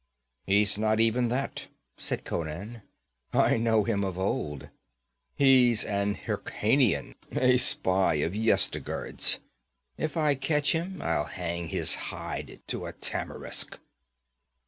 'He's not even that,' said Conan. 'I know him of old. He's an Hyrkanian, a spy of Yezdigerd's. If I catch him I'll hang his hide to a tamarisk.'